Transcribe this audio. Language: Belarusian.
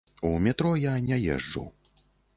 У метро я не езджу.